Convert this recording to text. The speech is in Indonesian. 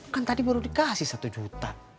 kan tadi baru dikasih satu juta